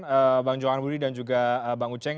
jangan lupa juga jangan lupa juga bang uceng